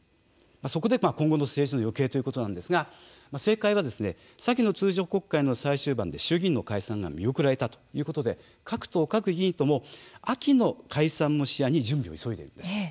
そこで今後の政界の行方ということなんですが政界は先の通常国会の最終盤で衆議院の解散が見送られたということで各党、各議員とも秋の解散も視野に準備を急いでいます。